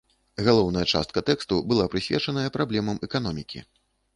Галоўная частка тэксту была прысвечаная праблемам эканомікі.